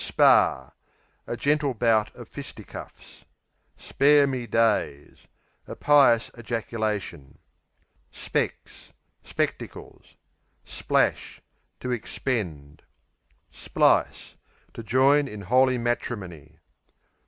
Spar A gentle bout of fisticuffs. Spare me days A pious ejaculation. Specs Spectacles. Splash To expend. Splice To join in holy matrimony.